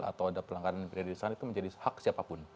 atau ada pelanggaran di sana itu menjadi hak siapapun